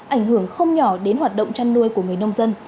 ảnh hưởng không nhỏ đến hoạt động chăn nuôi của người nông dân